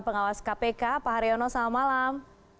pengawas kpk pak haryono selamat malam